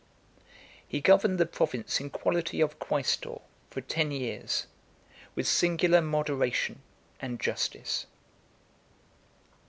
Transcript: He governed the province in quality of quaestor for ten years, with singular moderation and justice.